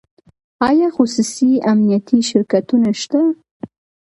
آیا خصوصي امنیتي شرکتونه شته؟